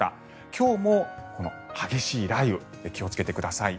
今日も激しい雷雨気をつけてください。